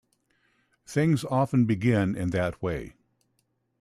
Things often begin in that way.